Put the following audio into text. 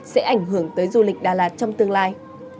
sẽ ảnh hưởng tới du lịch đà lạt trong tương lai